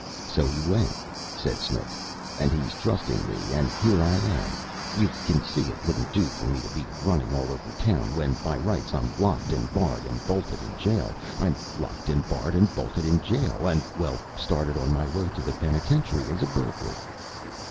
"So he went," said Snooks, "and he's trusting me, and here I am. You can see it wouldn't do for me to be running all over town when, by rights, I'm locked and barred and bolted in jail. I'm locked and barred and bolted in jail, and well started on my way to the penitentiary as a burglar."